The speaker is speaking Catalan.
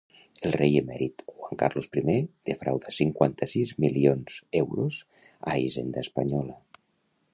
El rei emèrit Juan Carlos I defrauda cinquanta-sis milions euros a Hisenda Espanyola